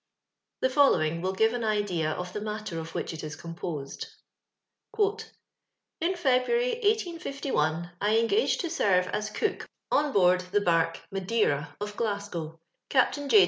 . The following will g^ve an idea of the matter of which it is composed :—'* In Febroary, 1851. 1 engaged to serve as cook on board the barque Madeira, of Glasgow, Captain J.